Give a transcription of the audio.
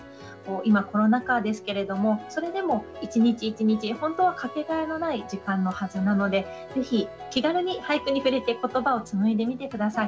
今、コロナ禍ですけれどもそれでも１日１日、本当はかけがえのない時間のはずなのでぜひ気軽に俳句に触れて言葉をつむいでみてください。